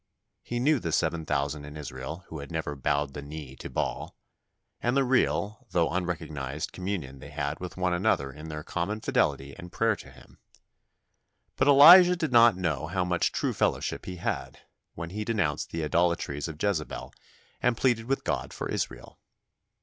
He knew the seven thousand in Israel who had never bowed the knee to Baal, and the real, though unrecognised, communion they had with one another in their common fidelity and prayer to Him; but Elijah did not know how much true fellowship he had, when he denounced the idolatries of Jezebel and pleaded with God for Israel.